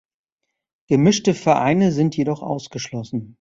Gemischte Vereine sind jedoch ausgeschlossen.